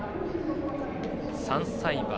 ３歳馬